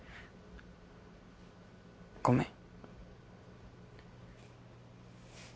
ごめん。